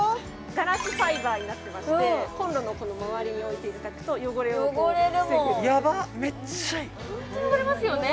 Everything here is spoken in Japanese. ガラスファイバーになってましてコンロのまわりに置いていただくと汚れを防げるホント汚れますよね